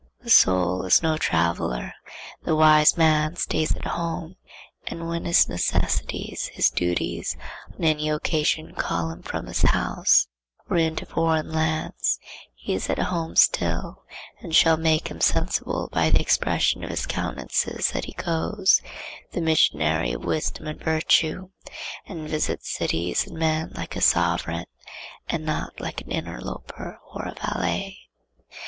The soul is no traveller; the wise man stays at home, and when his necessities, his duties, on any occasion call him from his house, or into foreign lands, he is at home still and shall make men sensible by the expression of his countenance that he goes, the missionary of wisdom and virtue, and visits cities and men like a sovereign and not like an interloper or a valet.